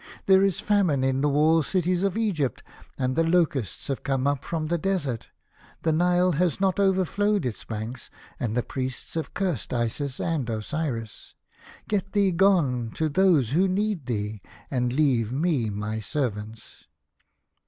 There is famine in the walled cities of Egypt, and the locusts have come up from the desert. The Nile has not overflowed its banks, and the priests have cursed Isis and Osiris. Get thee gone to those who need thee, and le^ve me my servants."